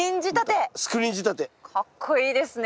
かっこいいですね。